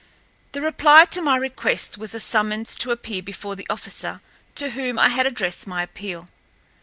The reply to my request was a summons to appear before the officer to whom I had addressed my appeal.